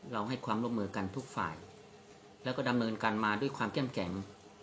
ให้ความร่วมมือกันทุกฝ่ายแล้วก็ดำเนินการมาด้วยความเข้มแข็ง